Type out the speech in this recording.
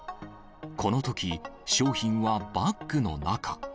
このとき、商品はバッグの中。